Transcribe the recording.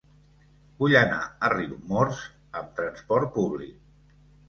Vull anar a Riumors amb trasport públic.